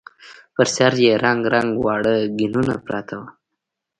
پر سر يې رنګ رنګ واړه ګېنونه پراته وو.